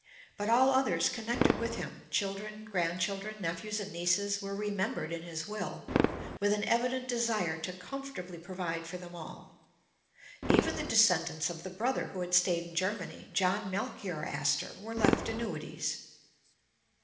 but all others con nected with him, children, grandchildren, nephews and nieces, were remembered in his will, with an evident desire to comfortably provide for them all. Even the descendants of the brother who had stayed in Germany, John Melchior Astor, were left annuities.